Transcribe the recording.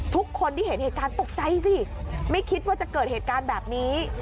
ทุกคนที่เห็นเหตุการณ์ตกใจสิไม่คิดว่าจะเกิดเหตุการณ์แบบนี้